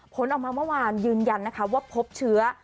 ผลออกมาเมื่อวานยืนยันนะคะว่าพบเชื้อ